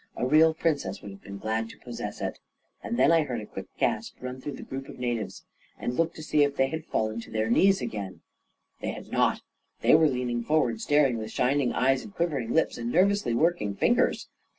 A real Princess would have been glad to possess it I And then I heard a quick gasp run through the group of natives, and looked to see if they had fallen to their knees again ..• 1 82 A KING IN BABYLON They had not. They were leaning forward, star ing with shining eyes and quivering lips and nerv ously working fingers.